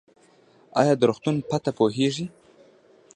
ایا د روغتون پته پوهیږئ؟